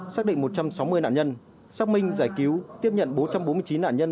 xác định một trăm sáu mươi nạn nhân xác minh giải cứu tiếp nhận bốn trăm bốn mươi chín nạn nhân